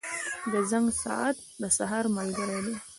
• د زنګ ساعت د سهار ملګری دی.